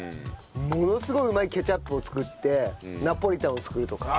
ものすごいうまいケチャップを作ってナポリタンを作るとか。